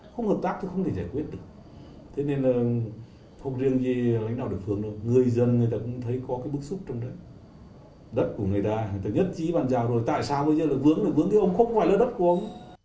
không hợp tác thì không thể giải quyết được thế nên là không riêng như lãnh đạo địa phương đâu người dân người ta cũng thấy có cái bức xúc trong đất đất của người ta người ta nhất trí bàn rào rồi tại sao bây giờ là vướng thì vướng thì ông không phải là đất của ông